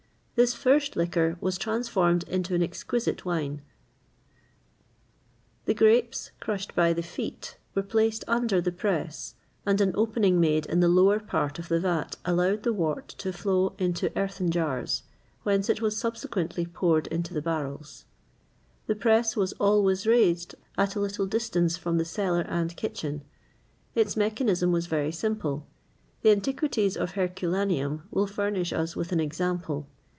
This first liquor was transformed into an exquisite wine.[XXVIII 49] The grapes, crushed by the feet, were placed under the press,[XXVIII 50] and an opening made in the lower part of the vat allowed the wort to flow into earthen jars, whence it was subsequently poured into the barrels.[XXVIII 51] The press was always raised at a little distance from the cellar and kitchen.[XXVIII 52] Its mechanism was very simple. The antiquities of Herculaneum will furnish us with an example.